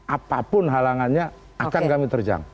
apapun halangannya akan kami terjang